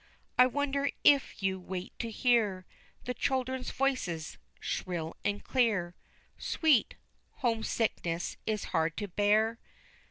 I wonder if you wait to hear The children's voices, shrill and clear Sweet! homesickness is hard to bear."